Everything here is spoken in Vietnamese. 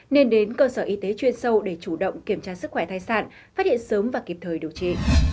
nên đến cơ sở y tế chuyên sâu để chủ động kiểm tra sức khỏe thai sản phát hiện sớm và kịp thời điều trị